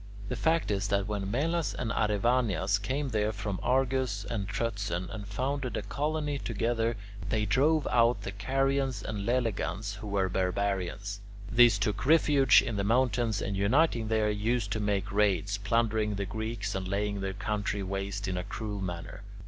The fact is that when Melas and Arevanias came there from Argos and Troezen and founded a colony together, they drove out the Carians and Lelegans who were barbarians. These took refuge in the mountains, and, uniting there, used to make raids, plundering the Greeks and laying their country waste in a cruel manner.